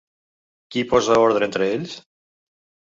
Qui posa ordre entre ells?